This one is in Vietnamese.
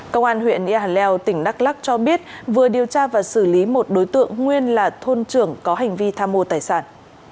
công an huyện ea leo tỉnh đắk lắc cho biết vừa điều tra và xử lý một đối tượng nguyên là thôn trưởng có hành vi tham mô tài sản